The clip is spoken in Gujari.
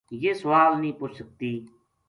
یہ سوال نیہہ پُچھ سکتی